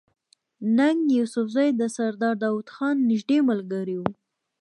ننګ يوسفزۍ د سردار داود خان نزدې ملګری وو